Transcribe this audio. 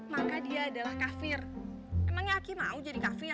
maka dia adalah kafir emangnya aki mau jadi kafir